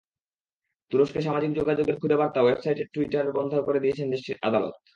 তুরস্কে সামাজিক যোগাযোগের খুদে বার্তা ওয়েবসাইট টুইটার বন্ধ করে দিয়েছেন দেশটির আদালত।